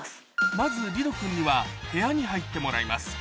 まずリドくんには部屋に入ってもらいます